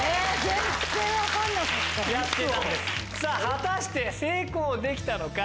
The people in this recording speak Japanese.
果たして成功できたのか？